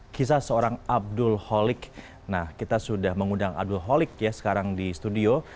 kisah seorang abdul holik nah kita sudah mengundang abdul holik ya sekarang di studio